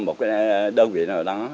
một đơn vị nào đó